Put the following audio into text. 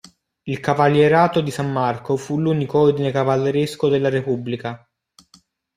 Il Cavalierato di San Marco fu l'unico ordine cavalleresco della Repubblica.